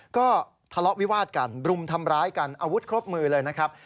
ก็ทะเลาะวิวาดกันรุมทำร้ายกันอาวุธครบมือเลยนะครับ